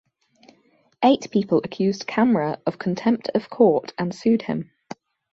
Eight people accused Kamra of contempt of court and sued him.